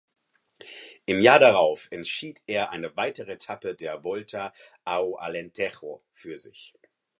Im Jahr darauf entschied er eine weitere Etappe der Volta ao Alentejo für sich.